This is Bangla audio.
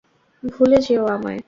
ভুলে যেও আমায়।